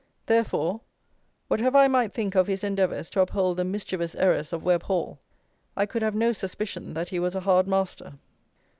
Therefore, whatever I might think of his endeavours to uphold the mischievous errors of Webb Hall, I could have no suspicion that he was a hard master.